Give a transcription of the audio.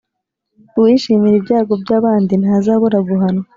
Uwishimira ibyago by abandi ntazabura guhanwa